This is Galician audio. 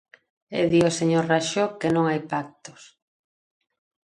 E di o señor Raxó que non hai pactos.